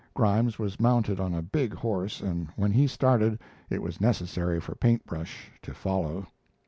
Grimes was mounted on a big horse, and when he started it was necessary for Paint Brush to follow.